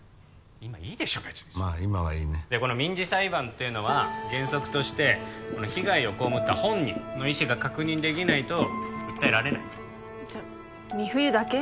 今いいでしょ別にまあ今はいいねでこの民事裁判っていうのは原則として被害を被った本人の意思が確認できないと訴えられないじゃ美冬だけ？